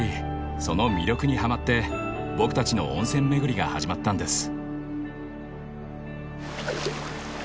その魅力にはまって僕たちの温泉巡りが始まったんです。